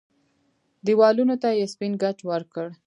دېوالونو ته يې سپين ګچ ورکړ.